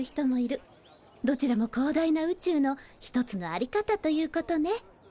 どちらも広大な宇宙の一つの在り方ということね。